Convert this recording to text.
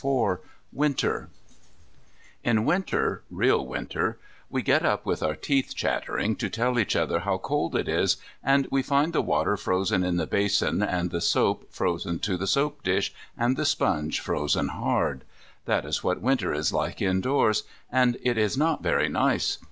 IV WINTER In Winter, real Winter, we get up with our teeth chattering to tell each other how cold it is, and we find the water frozen in the basin, and the soap frozen to the soap dish, and the sponge frozen hard. That is what Winter is like indoors, and it is not very nice.